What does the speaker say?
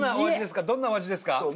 どんなお味ですか？